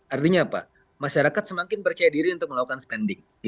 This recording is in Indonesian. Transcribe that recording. artinya apa masyarakat semakin percaya diri untuk melakukan spending